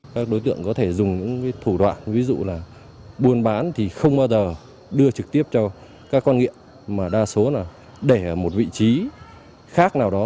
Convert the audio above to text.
các đối tượng có thể dùng những thủ đoạn ví dụ là buôn bán thì không bao giờ đưa trực tiếp cho các con nghiện mà đa số là để ở một vị trí khác nào đó